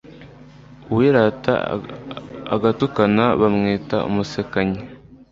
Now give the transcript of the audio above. uwirata agatukana, bamwita umusekanyi